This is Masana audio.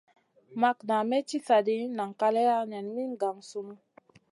Makŋa may ci sa ɗi nan kaleya nen min gangsunu.